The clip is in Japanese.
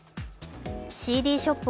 ＣＤショップ